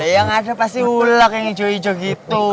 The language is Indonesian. yang ada pasti uleg yang ijo ijo gitu